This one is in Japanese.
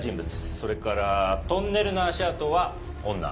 それからトンネルの足跡は女。